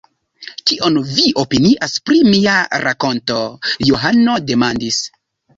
Kion vi opinias pri mia rakonto? Johano demandis.